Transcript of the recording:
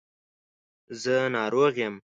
زه ناروغ یم